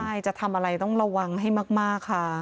ใช่จะทำอะไรต้องระวังให้มากค่ะ